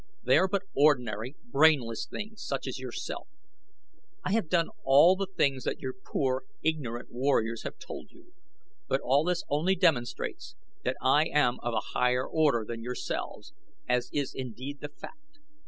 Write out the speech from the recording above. "They are but ordinary, brainless things such as yourself. I have done all the things that your poor, ignorant warriors have told you; but this only demonstrates that I am of a higher order than yourselves, as is indeed the fact.